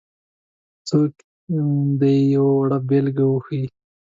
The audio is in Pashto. څوک دې یې یوه وړه بېلګه وښيي.